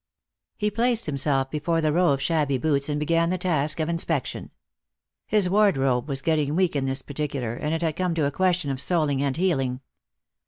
He placed himself before the row of shabby boots, and began the task of inspection. His wardrobe was getting weak in this particular, and it had come to a question of soling and heeling.